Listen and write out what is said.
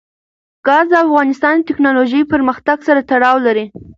ګاز د افغانستان د تکنالوژۍ پرمختګ سره تړاو لري.